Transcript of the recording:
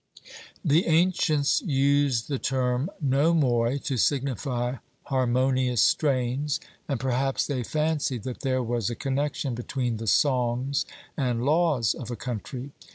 The ancients used the term nomoi to signify harmonious strains, and perhaps they fancied that there was a connexion between the songs and laws of a country.